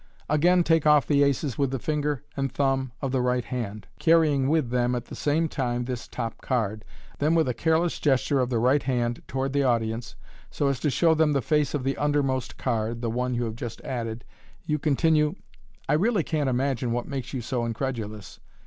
Again take off the aces with the finger and thumb of the right hand, carrying with them at the same time this top card. Then with a careless gesture of the right hand toward the audience, so as to show them the face of the undermost card (the one you have just added), you continue, " I really can't imagine what makes you so incredulous.